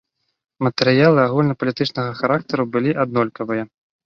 Матэрыялы агульнапалітычнага характару былі аднолькавыя.